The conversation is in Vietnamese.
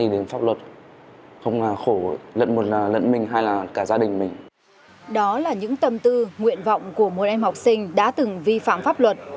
đó là những tâm tư nguyện vọng của một em học sinh đã từng vi phạm pháp luật